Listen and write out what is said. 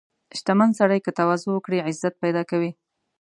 • شتمن سړی که تواضع وکړي، عزت پیدا کوي.